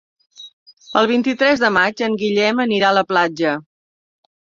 El vint-i-tres de maig en Guillem anirà a la platja.